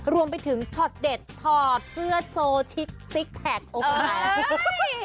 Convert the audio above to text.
รวมไปถึงชอดเด็ดถอดเสื้อโซซิกแพคโอเคราะห์